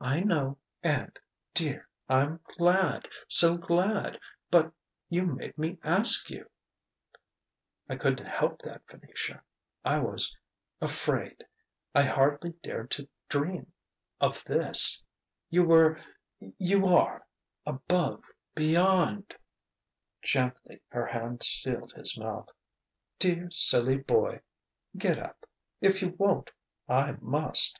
"I know and, dear, I'm glad so glad! But you made me ask you!" "I couldn't help that, Venetia: I was afraid; I hardly dared to dream of this. You were you are above, beyond " Gently her hand sealed his mouth. "Dear, silly boy! Get up. If you won't, I must."